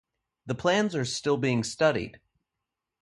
The plans are still being studied.